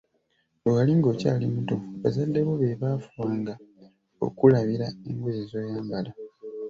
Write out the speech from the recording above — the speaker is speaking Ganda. Bwe wali ng‘okyali muto, bazadde bo be bafubanga okukulabira engoye z’oyambala.